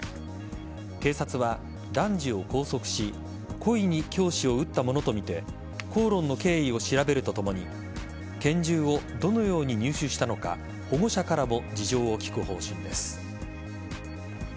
警察は男児を拘束し故意に教師を撃ったものとみて口論の経緯を調べるとともに拳銃をどのように入手したのか保護者からも事情を聞く方針です。